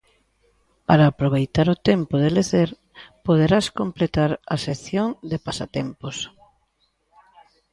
Para aproveitar o tempo de lecer poderás completar a sección de Pasatempos.